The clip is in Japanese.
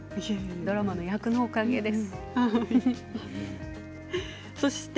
ドラマの役のおかげです。